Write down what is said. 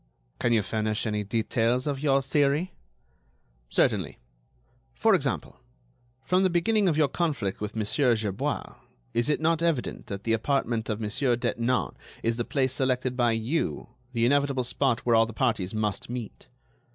"Can you furnish any details of your theory?" "Certainly. For example, from the beginning of your conflict with Monsieur Gerbois, is it not evident that the apartment of Monsieur Detinan is the place selected by you, the inevitable spot where all the parties must meet?